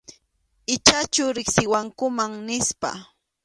Ichachu riqsiwankuman nispa.